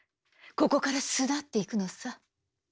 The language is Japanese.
ここから巣立っていくのさ。